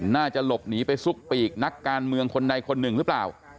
น่าจะหลบหนีไปซุกปีกนักการเมืองคนใดคนหนึ่งหรือเปล่า